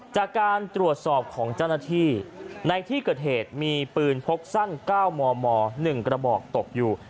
จากการตรวจสอบของเจ้าหน้าที่ในที่เกิดเหตุมีปืนพกสั้น๙มม๑กระบอกตกอยู่